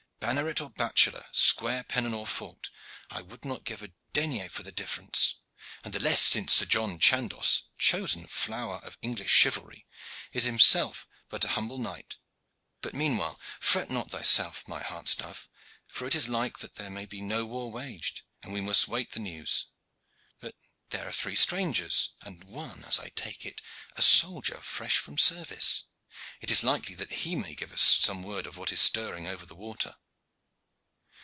Banneret or bachelor, square pennon or forked, I would not give a denier for the difference, and the less since Sir John Chandos, chosen flower of English chivalry, is himself but a humble knight. But meanwhile fret not thyself, my heart's dove, for it is like that there may be no war waged, and we must await the news. But here are three strangers, and one, as I take it, a soldier fresh from service. It is likely that he may give us word of what is stirring over the water."